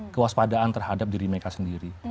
kewaspadaan terhadap diri mereka sendiri